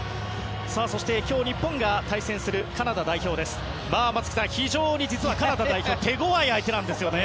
そして今日、日本が対戦するカナダ代表ですが松木さん、非常にカナダ代表は手ごわい相手なんですよね。